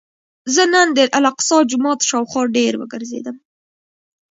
زه نن د الاقصی جومات شاوخوا ډېر وګرځېدم.